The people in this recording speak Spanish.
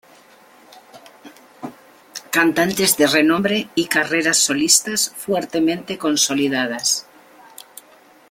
Cantantes de renombre y carreras solistas fuertemente consolidadas.